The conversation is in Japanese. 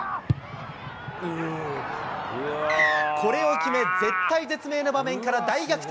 これを決め、絶体絶命の場面から大逆転。